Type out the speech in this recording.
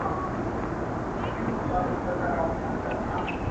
o بنده اريان، خداى مهربان!